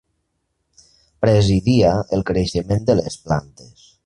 Presidia el creixement de les plantes.